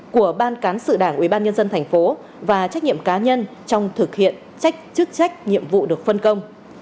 của ban cán sự đảng ubnd tp và trách nhiệm cá nhân trong thực hiện chức trách nhiệm vụ được phân công